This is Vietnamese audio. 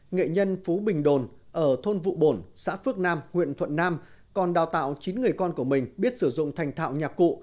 nghệ nhân phú bình đồn ở thôn vụ bồn xã phước nam huyện thuận nam còn đào tạo chín người con của mình biết sử dụng thành thạo nhạc cụ